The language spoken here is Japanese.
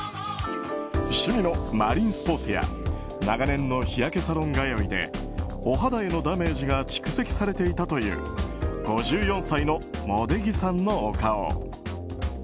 趣味のマリンスポーツや長年の日焼けサロン通いでお肌へのダメージが蓄積されていたという５４歳の茂出木さんのお顔。